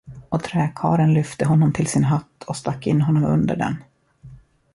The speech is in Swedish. Och träkarlen lyfte honom till sin hatt och stack in honom under den.